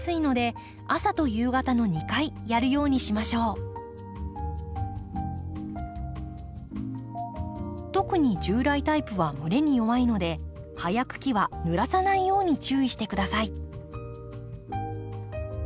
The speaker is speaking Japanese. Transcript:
夏場は乾燥しやすいので特に従来タイプは蒸れに弱いので葉や茎はぬらさないように注意して下さい。